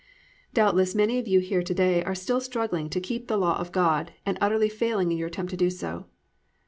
Doubtless many of you here to day are still struggling to keep the law of God and utterly failing in your attempt to do so.